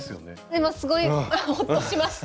今すごいほっとしました。